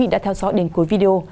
đã theo dõi đến cuối video